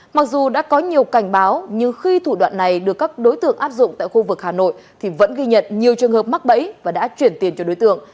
mặc dù đã có nhiều cảnh báo nhưng khi thủ đoạn này được các đối tượng áp dụng tại khu vực hà nội thì vẫn ghi nhận nhiều trường hợp mắc bẫy và đã chuyển tiền cho đối tượng